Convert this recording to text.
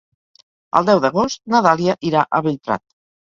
El deu d'agost na Dàlia irà a Bellprat.